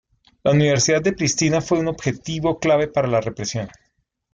La Universidad de Pristina fue un objetivo clave para la represión.